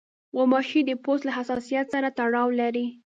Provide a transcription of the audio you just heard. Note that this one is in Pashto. غوماشې د پوست له حساسیت سره تړاو لري.